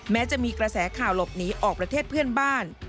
แม้จะมีกระแสข่าวหลบหนีออกประเทศเพื่อนบ้าน